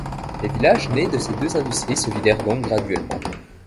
Les villages nés de ces deux industries se vidèrent donc graduellement.